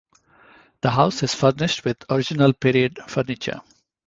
The house is furnished with original period furniture.